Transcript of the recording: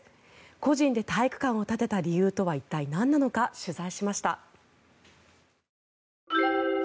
個人で体育館を建てた理由とは一体、なんなのか取材しました。